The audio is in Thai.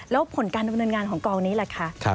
แล้วผลการดำเนินงานของกองนี้ล่ะคะ